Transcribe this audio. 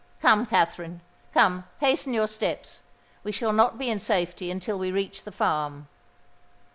Come, Katharine—come: hasten your steps;—we shall not be in safety until we reach the farm."